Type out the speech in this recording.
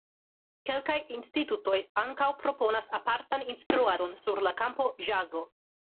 Kelkaj institutoj ankaŭ proponas apartan instruadon sur la kampo ĵazo.